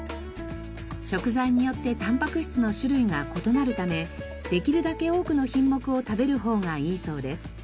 食材によってタンパク質の種類が異なるためできるだけ多くの品目を食べる方がいいそうです。